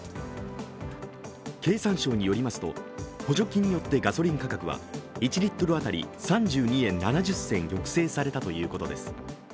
経産省によりますと、補助金によってガソリン価格は１リットル当たり３２円７０銭抑制されたということです。